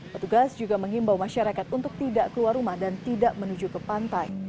petugas juga mengimbau masyarakat untuk tidak keluar rumah dan tidak menuju ke pantai